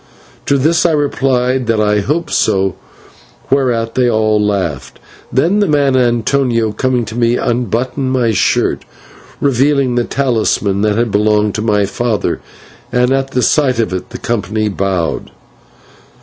To this I replied that I hoped so, whereat they all laughed. Then the man Antonio, coming to me, unbuttoned my shirt, revealing the talisman that had belonged to my father, and at the sight of it the company bowed.